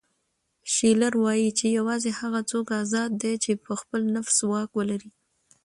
شیلر وایي چې یوازې هغه څوک ازاد دی چې په خپل نفس واک ولري.